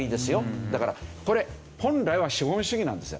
だからこれ本来は資本主義なんですよ。